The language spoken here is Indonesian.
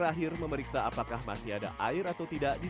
dan terakhir memeriksa apakah masih ada air atau tidak di dalam motor